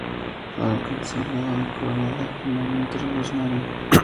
Clara alcanzó el grado de Coronela en el movimiento revolucionario.